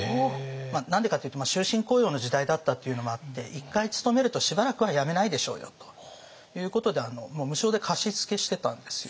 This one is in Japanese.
何でかっていうと終身雇用の時代だったっていうのもあって一回勤めるとしばらくは辞めないでしょうよということで無償で貸し付けしてたんですよ。